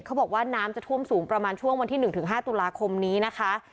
เขาบอกว่าน้ำจะท่วมสูงประมาณช่วงวันที่หนึ่งถึงห้าตุลาคมนี้นะคะ